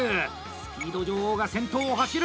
「スピード女王」が先頭を走る！